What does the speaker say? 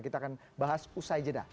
kita akan bahas usai jeda